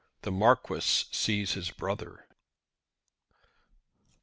THE MARQUIS SEES HIS BROTHER.